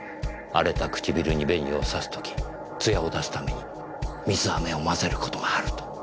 荒れた唇に紅をさす時つやを出すために水飴を混ぜる事があると。